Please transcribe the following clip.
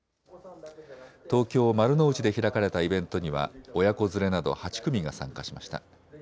東京丸の内で開かれたイベントには親子連れなど８組が参加しました。